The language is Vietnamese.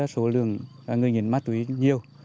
số lượng người nghiện mát túy nhiều